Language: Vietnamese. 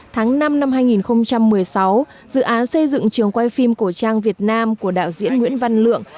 tháng năm năm hai nghìn một mươi sáu dự án xây dựng trường quay phim cổ trang việt nam của đạo diễn nguyễn văn lượng